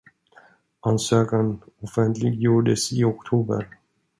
Ansökan offentliggjordes i oktober.